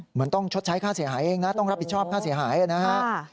เหมือนต้องชดใช้ค่าเสียหายเองนะต้องรับผิดชอบค่าเสียหายนะฮะ